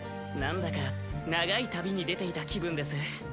なんだか長い旅に出ていた気分です。